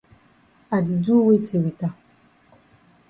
I di do weti wit am?